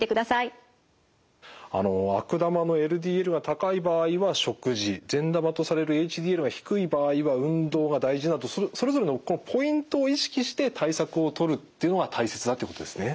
あの悪玉のＬＤＬが高い場合は食事善玉とされるＨＤＬが低い場合は運動が大事だとそれぞれのポイントを意識して対策をとるっていうのが大切だっていうことですね。